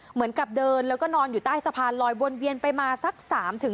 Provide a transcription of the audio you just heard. เหมือนกับเดินแล้วก็นอนอยู่ใต้สะพานลอยวนเวียนไปมาสัก๓๕